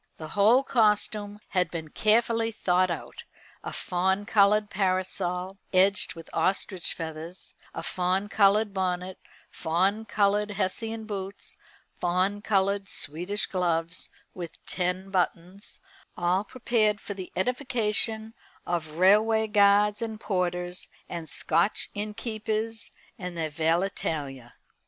The whole costume had been carefully thought out, a fawn coloured parasol, edged with ostrich feathers, a fawn coloured bonnet, fawn coloured Hessian boots, fawn coloured Swedish gloves with ten buttons all prepared for the edification of railway guards and porters, and Scotch innkeepers and their valetaille.